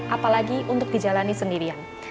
apalagi untuk dijalani sendirian